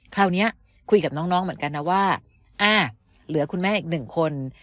คราวนี้คุยกับน้องเหมือนกันนะว่าเหลือคุณแม่อีกหนึ่งคน